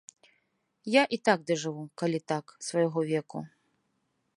Я і так дажыву, калі так, свайго веку.